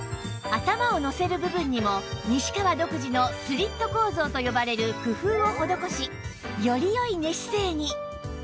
頭をのせる部分にも西川独自のスリット構造と呼ばれる工夫を施しより良い寝姿勢に